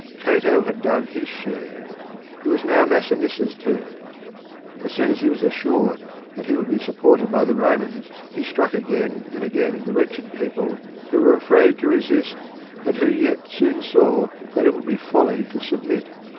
Cato had done his share. It was now Masinissa's turn. As soon as he was assured that he would be supported by the Romans, he struck again and again the wretched people, who were afraid to resist and yet who soon saw that it would be folly to submit.